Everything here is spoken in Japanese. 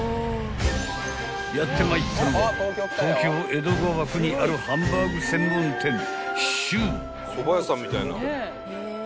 ［やってまいったのは東京江戸川区にあるハンバーグ専門店穐］